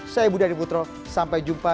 saya budi adik putro sampai jumpa